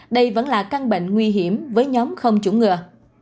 đây vẫn là căn bệnh nguy hiểm với nhóm không chủng ngừa